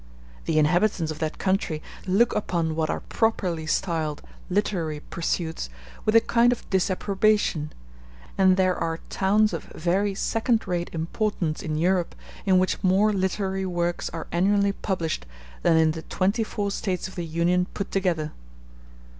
The inhabitants of that country look upon what are properly styled literary pursuits with a kind of disapprobation; and there are towns of very second rate importance in Europe in which more literary works are annually published than in the twenty four States of the Union put together.